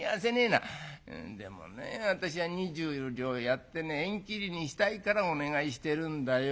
「でもね私は２０両やってね縁切りにしたいからお願いしてるんだよ。